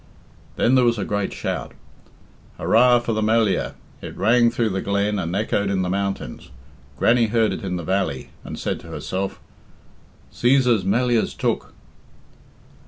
Then there was a great shout. "Hurrah for the Mel liah!" It rang through the glen and echoed in the mountains. Grannie heard it in the valley, and said to herself, "Cæsar's Melliah's took."